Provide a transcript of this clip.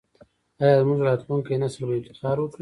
آیا زموږ راتلونکی نسل به افتخار وکړي؟